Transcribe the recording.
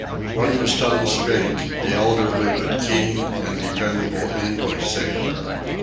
One was Tom Spink, the elderly but keen and dependable English sailor.